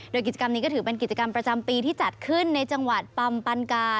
โดยกิจกรรมนี้ก็ถือเป็นกิจกรรมประจำปีที่จัดขึ้นในจังหวัดปัมปันกา